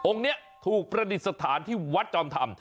องค์เนี่ยถูกประดิษฐานที่วัดจอมธรรม